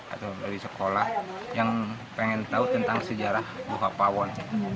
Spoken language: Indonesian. atau dari sekolah yang pengen tahu tentang sejarah buka pawon